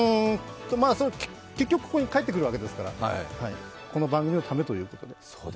うん、結局ここに帰ってくるわけですからこの番組のためのということで。